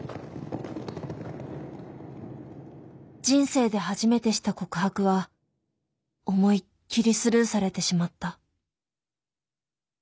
人生で初めてした告白は思いっきりスルーされてしまった。